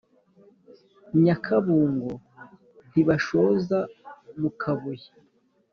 nyakabungo ntibashoza mu kabuye.